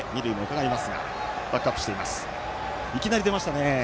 いきなり出ましたね。